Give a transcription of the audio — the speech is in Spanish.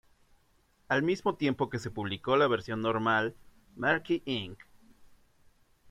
Al mismo tiempo que se publicó la versión normal, Marquee Inc.